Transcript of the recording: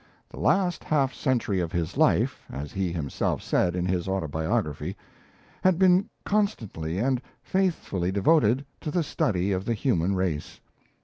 The last half century of his life, as he himself said in his Autobiography, had been constantly and faithfully devoted to the study of the human race.